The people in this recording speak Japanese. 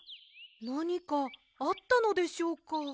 なにかあったのでしょうか？